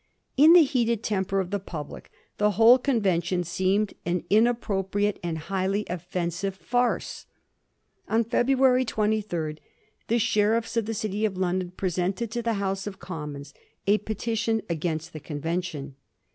In the heated temper of the public the whole convention seemed an inappropriate and highly offensive farce. On February 23d the sheriffs of the City of London presented to the House of Com mons a petition against the convention.